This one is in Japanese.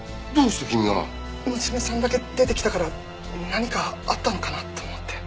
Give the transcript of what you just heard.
娘さんだけ出てきたから何かあったのかなと思って。